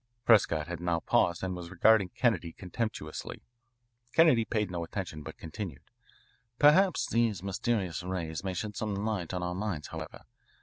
Prescott had now paused and was regarding Kennedy contemptuously. Kennedy paid no attention, but continued: "Perhaps these mysterious rays may shed some light on our minds, however.